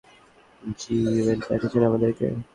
যি ইউয়েন পাঠিয়েছে আমাদেরকে!